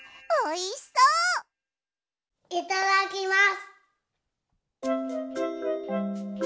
いただきます！